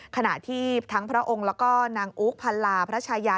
ขณะที่ทั้งพระองค์แล้วก็นางอุ๊กพันลาพระชายา